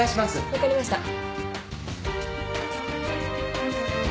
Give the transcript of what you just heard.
分かりました。